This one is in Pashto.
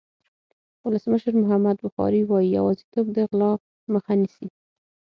ولسمشر محمد بخاري وایي یوازېتوب د غلا مخه نیسي.